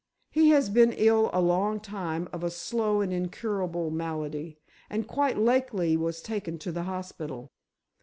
He has been ill a long time of a slow and incurable malady, and quite lately was taken to the hospital.